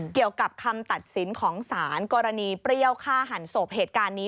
เกี่ยวกับคำตัดสินของศาลกรณีเปรี้ยวฆ่าหันศพเหตุการณ์นี้